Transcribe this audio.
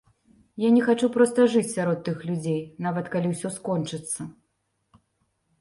Я не хачу проста жыць сярод тых людзей, нават калі ўсё скончыцца.